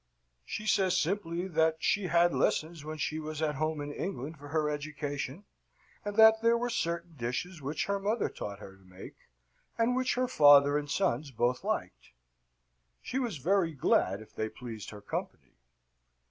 She says simply that she had lessons when she was at home in England for her education, and that there were certain dishes which her mother taught her to make, and which her father and sons both liked. She was very glad if they pleased her company.